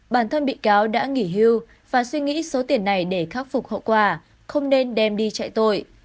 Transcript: bản thân bị cáo đã nghỉ hưu và suy nghĩ số tiền này để khắc phục hậu quả không nên đem đi chạy tội